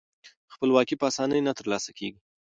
خپلواکي په اسانۍ نه ترلاسه کیږي.